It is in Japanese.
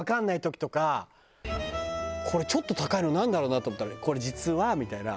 これちょっと高いのなんだろうな？と思ったら「これ実は」みたいな。